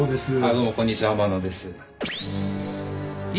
どうもこんにちは天野です。